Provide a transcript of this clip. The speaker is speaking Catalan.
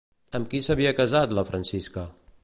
Amb qui s'havia casat, la Francisca?